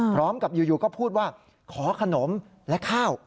พร้อมกับอยู่ก็พูดว่าขอขนมและข้าว